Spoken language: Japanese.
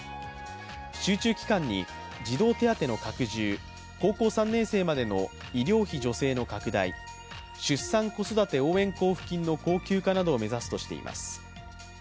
集中期間に児童手当の拡充、高校３年生までの医療費助成の拡大出産子育て応援交付金の恒久化などを目指すとしています。